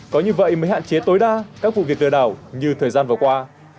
có như vậy mới hạn chế tối đa các vụ việc lừa đảo như thời gian vừa qua